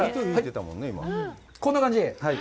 こんな感じ？